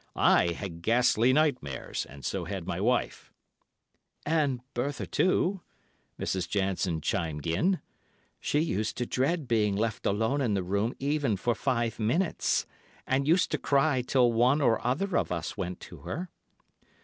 I had ghastly nightmares, and so had my wife. "And Bertha too," Mrs. Jansen chimed in; "she used to dread being left alone in the room even for five minutes, and used to cry till one or other of us went to her."